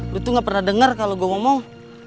lu tuh nggak pernah dengar kalau gua ngomong